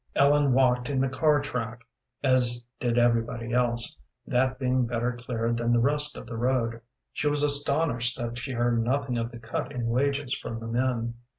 Ellen walked in the car track, as did everybody else, that being better cleared than the rest of the road. She was astonished that she heard nothing of the cut in wages from the men.